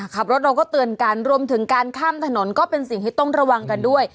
ขับรถเราก็เตือนกันรวมถึงการข้ามถนนก็เป็นสิ่งที่ต้องระวังกันด้วย